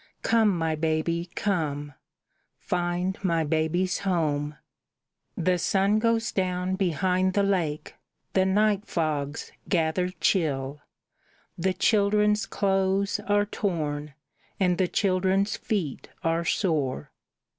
Come, my baby, come! Find my baby's home!" The sun goes down behind the lake; the night fogs gather chill, The children's clothes are torn; and the children's feet are sore.